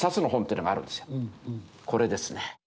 これですね。